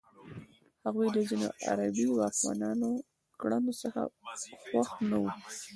هغوی له ځینو عربي واکمنانو کړنو څخه خوښ نه وو.